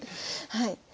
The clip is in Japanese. はい。